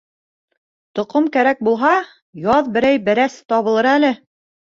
Тоҡом кәрәк булһа, яҙ берәй бәрәс табылыр әле.